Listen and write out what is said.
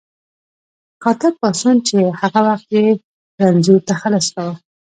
کاتب پاڅون چې هغه وخت یې رنځور تخلص کاوه.